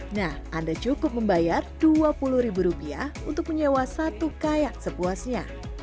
nah anda cukup membayar dua puluh ribu rupiah untuk menyewa satu kayak sepuasnya